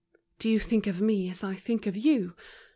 " Do you think of me as I think of you